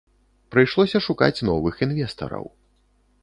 Прыйшлося шукаць новых інвестараў.